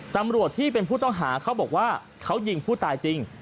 ตำรวจที่เป็นผู้ต้องหาเขาบอกว่าเขายิงผู้ตายจริง